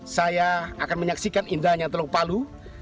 saya akan menyaksikan indahnya teluk palu